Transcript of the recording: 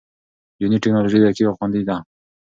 یوني ټېکنالوژي دقیق او خوندي ده.